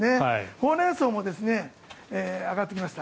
ホウレンソウも上がってきました。